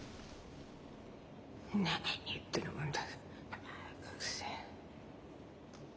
何言ってるんだ。